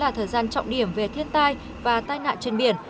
là thời gian trọng điểm về thiên tai và tai nạn trên biển